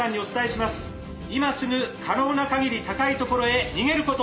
今すぐ可能な限り高いところへ逃げること！